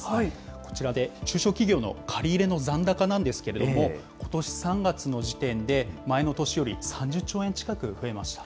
こちらで、中小企業の借り入れの残高なんですけれども、ことし３月の時点で、前の年より３０兆円近く増えました。